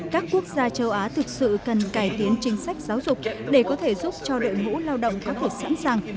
các quốc gia châu á thực sự cần cải tiến chính sách giáo dục để có thể giúp cho đội ngũ lao động có thể sẵn sàng